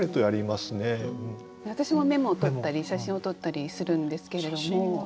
私もメモを取ったり写真を撮ったりするんですけれども。